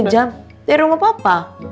jam dari rumah papa